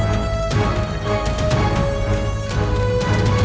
ayo cepat kita kesini